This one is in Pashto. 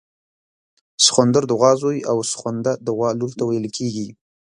سخوندر د غوا زوی او سخونده د غوا لور ته ویل کیږي